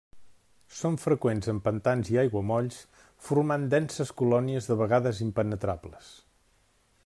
Són freqüents en pantans i aiguamolls, formant denses colònies de vegades impenetrables.